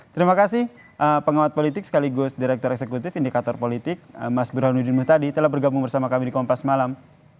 terima kasih pengawat politik sekaligus direktur eksekutif indikator politik mas burhanuddin mustadi telah bergabung bersama kami di kompas malam